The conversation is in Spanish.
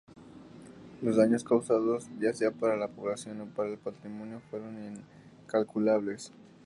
Los daños causados, ya sea para la población o para el patrimonio fueron incalculables.